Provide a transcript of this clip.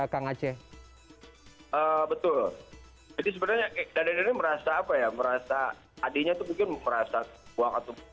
kang aceh betul itu sebenarnya kek daden merasa apa ya merasa adiknya tuh mungkin merasa